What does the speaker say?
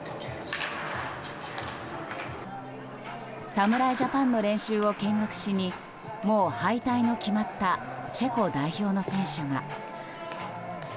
侍ジャパンの練習を見学しにもう敗退の決まったチェコ代表の選手が。